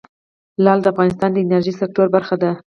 لعل د افغانستان د انرژۍ سکتور برخه ده.